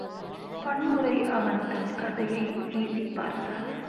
பன்முறை அவன் தன் கதையை வீசிப் பார்த்தான்.